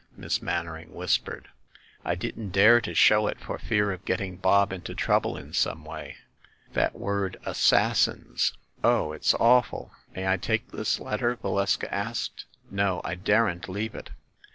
Miss Mannering whispered. "I didn't dare to show it for fear of getting Bob into trouble in some way. That word 'Assassins' ‚ÄĒ Oh, it's awful !" "May I take this letter?" Valeska asked. "No, I daren't leave it.